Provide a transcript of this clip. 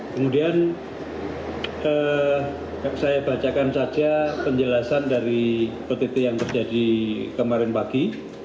kemudian saya bacakan saja penjelasan dari ott yang terjadi kemarin pagi